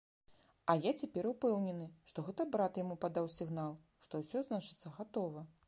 А я цяпер упэўнены, што гэта брат яму падаў сігнал, што ўсё, значыцца, гатова.